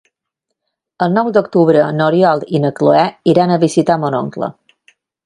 El nou d'octubre n'Oriol i na Cloè iran a visitar mon oncle.